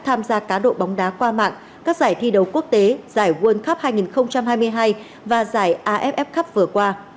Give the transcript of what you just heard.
tham gia cá độ bóng đá qua mạng các giải thi đấu quốc tế giải world cup hai nghìn hai mươi hai và giải aff cup vừa qua